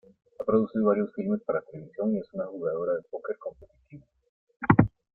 Ha producido varios filmes para televisión y es una jugadora de póquer competitivo.